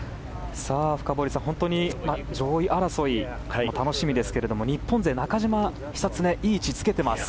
深堀さん、上位争い楽しみですけれども日本勢、中島、久常いい位置につけています。